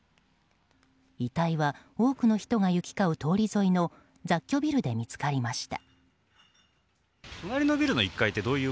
遺体は多くの人が行き交う通り沿いの雑居ビルで見つかりました。